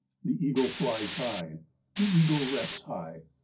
The eagle flies high. The eagle rests high.